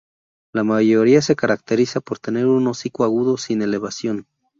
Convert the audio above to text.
La mayoría se caracteriza por tener un hocico agudo, sin elevación.